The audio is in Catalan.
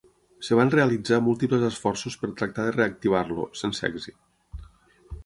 Es van realitzar múltiples esforços per tractar de reactivar-lo, sense èxit.